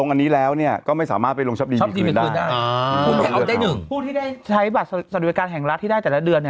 ชอบคืนชอบอะไรนะชอบดีคืนใช้บัตรสารวยการแห่งรักที่ได้แต่ละเดือน